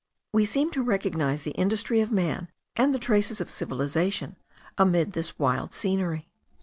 We seem to recognise the industry of man, and the traces of cultivation, amid this wild scenery.